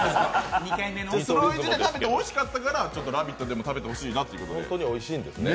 「スロイジ」で食べておいしかったから、「ラヴィット！」でも食べてほしいなと。